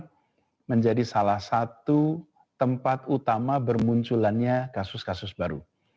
yang menjadi salah satu tempat utama bermunculannya kasus kasus baru